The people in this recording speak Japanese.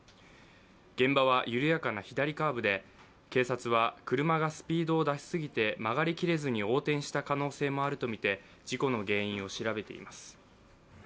現場は緩やかな左カーブで警察は車がスピードを出しすぎて曲がれ切れずに横転した可能性もあるとみて事故の原因を調べています。